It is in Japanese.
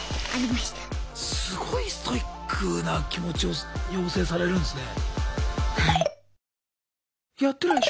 すごいストイックな気持ちを養成されるんですね。